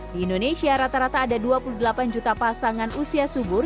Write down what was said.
di indonesia rata rata ada dua puluh delapan juta pasangan usia subur